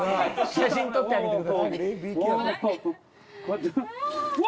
写真撮ってあげてください。